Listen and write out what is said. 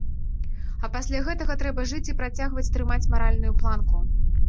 А пасля гэтага трэба жыць і працягваць трымаць маральную планку.